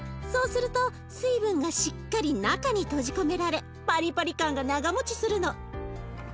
そうすると水分がしっかり中に閉じ込められパリパリ感が長もちするの。